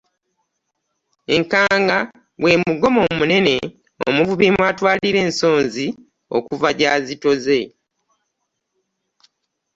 Enkanga gwe mugomo omunene omuvubi mw'atwalira ensonzi okuva gy'azitoze.